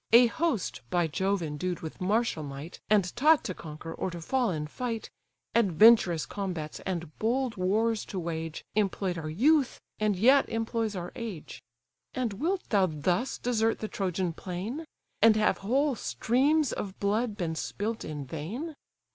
A host, by Jove endued with martial might, And taught to conquer, or to fall in fight: Adventurous combats and bold wars to wage, Employ'd our youth, and yet employs our age. And wilt thou thus desert the Trojan plain? And have whole streams of blood been spilt in vain?